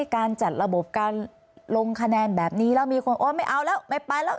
การจัดระบบการลงคะแนนแบบนี้แล้วมีคนโอ๊ยไม่เอาแล้วไม่ไปแล้ว